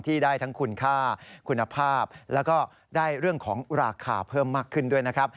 ได้ทั้งคุณค่าคุณภาพแล้วก็ได้เรื่องของราคาเพิ่มมากขึ้นด้วยนะครับ